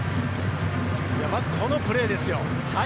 このプレーですよ。